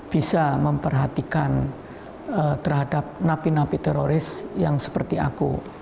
bisa memperhatikan terhadap napi napi teroris yang seperti aku